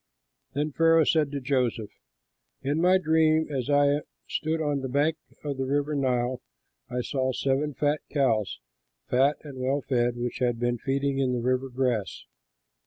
Then Pharaoh said to Joseph, "In my dream as I stood on the bank of the Nile, I saw seven cows, fat and well fed, which had been feeding in the river grass.